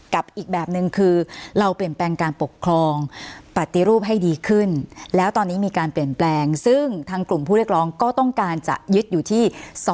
อีกแบบนึงคือเราเปลี่ยนแปลงการปกครองปฏิรูปให้ดีขึ้นแล้วตอนนี้มีการเปลี่ยนแปลงซึ่งทางกลุ่มผู้เรียกร้องก็ต้องการจะยึดอยู่ที่